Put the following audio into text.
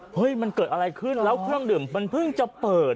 เฮ้ยมันเกิดอะไรขึ้นแล้วเครื่องดื่มมันเพิ่งจะเปิด